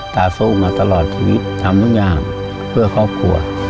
ตาสู้มาตลอดชีวิตทำทุกอย่างเพื่อครอบครัว